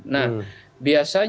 nah biasanya karena